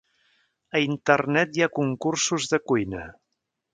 A internet hi ha concursos de cuina